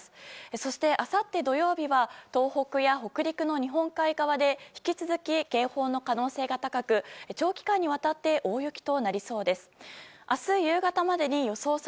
そして、あさって土曜日は東北や北陸の日本海側で引き続き警報の可能性が高く長期間にわたって大雪となりそうです。